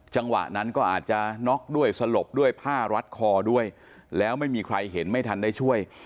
จังหวะนั้นก็อาจจะน็อกด้วยสลบด้วยผ้ารัดคอด้วยแล้วไม่มีใครเห็นไม่ทันได้ช่วย